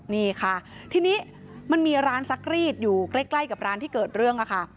นี่ค่ะทีนี้มันมีร้านซักรีดอยู่ใกล้กับร้านที่เกิดเรื่องค่ะ